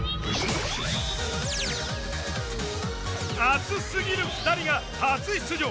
熱すぎる２人が初出場！